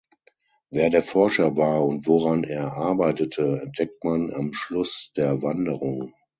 Wer der Forscher war, und woran er arbeitete, entdeckt man am Schluss der Wanderung.